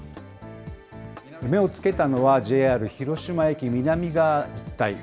目をつけたのは、ＪＲ広島駅南側一帯。